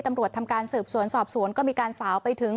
ตำรวจทำการสืบสวนสอบสวนก็มีการสาวไปถึง